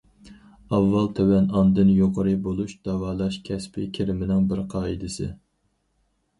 ئاۋۋال تۆۋەن، ئاندىن يۇقىرى بولۇش داۋالاش كەسپى كىرىمىنىڭ بىر قائىدىسى.